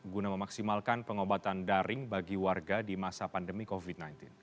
guna memaksimalkan pengobatan daring bagi warga di masa pandemi covid sembilan belas